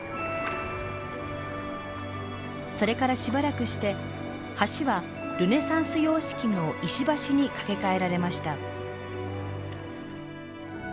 それからしばらくして橋はルネサンス様式の石橋に架け替えられました。